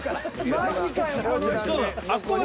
マジかよ